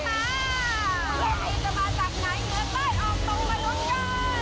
พวกที่จะมาจากไหนเหมือนได้ออกตัวมาลุ้นเยอะ